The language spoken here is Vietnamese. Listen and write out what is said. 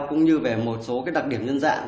cũng như về một số đặc điểm nhân dạng